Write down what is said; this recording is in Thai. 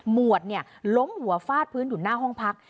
วดล้มหัวฟาดพื้นอยู่หน้าห้องพัก